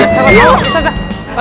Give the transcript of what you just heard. ya salam ustazah